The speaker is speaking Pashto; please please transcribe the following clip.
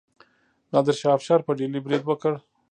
نادر شاه افشار په ډیلي برید وکړ.